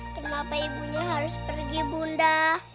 kenapa ibunya harus pergi bunda